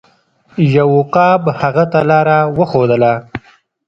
یو عقاب هغه ته لاره وښودله.